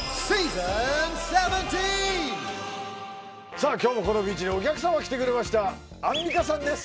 さあ今日もこのビーチにお客様来てくれましたアンミカさんです